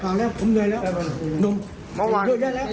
เมื่อวาน